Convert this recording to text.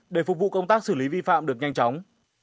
để phục vụ công tác xử lý vi phạm được nhanh chóng